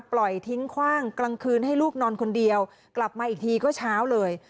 ปล่อยทิ้งคว่างกลางคืนให้ลูกนอนคนเดียวกลับมาอีกทีก็เช้าเลย